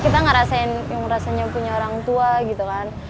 kita ngerasain yang rasanya punya orang tua gitu kan